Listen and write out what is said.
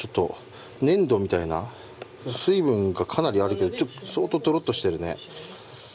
粘土みたいな水分がかなりあるけど、相当どろっとしてるね。